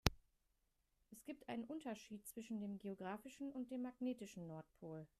Es gibt einen Unterschied zwischen dem geografischen und dem magnetischen Nordpol.